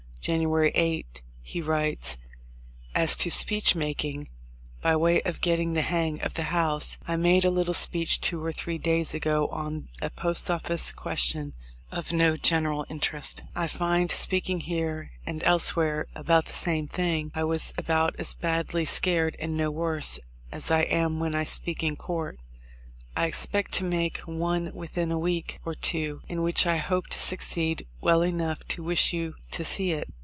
January 8 he writes: "As to speech making, by way of get ting the hang of the House, I made a little speech two or three days ago on a post office question of no general interest. I find speaking here and else where about the same thing. I was about as badly scared, and no worse, as I am when I speak in court. I expect to make one within a week or two in which I hope to succeed well enough to wish you to see it."